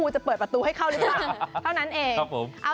ใช่ค่ะไม่เก็บค่ะ